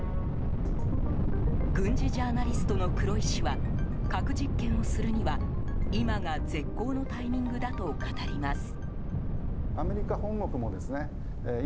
軍事ジャーナリストの黒井氏は核実験をするには、今が絶好のタイミングだと語ります。